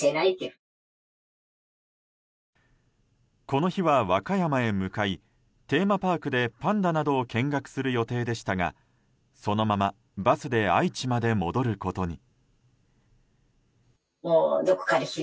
この日は和歌山へ向かいテーマパークでパンダなどを見学する予定でしたがそのままバスで愛知まで戻ることに。